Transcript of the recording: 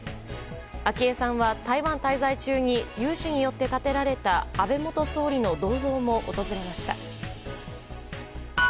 昭恵さんは台湾滞在中に有志によって建てられた安倍元総理の銅像も訪れました。